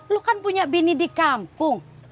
lo kan punya bini di kampung